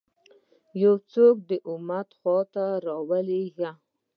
یو څوک د امت خوا ته رالېږي.